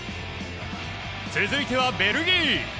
続いてはベルギー。